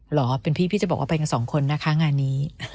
เหรอเป็นพี่พี่จะบอกว่าไปกันสองคนนะคะงานนี้